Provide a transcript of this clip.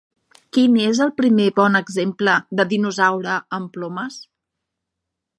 Quin és el primer bon exemple de "dinosaure amb plomes"?